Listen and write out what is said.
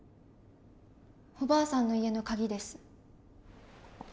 おばあさんの家のカギです。